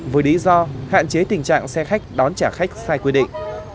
với lý do hạn chế tình trạng xe khách đón trả khách sai quy định